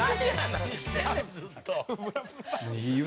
「何してんねんずっと」